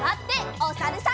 おさるさん。